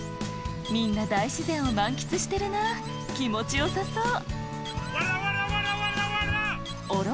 みんな大自然を満喫してるな気持ちよさそうあら？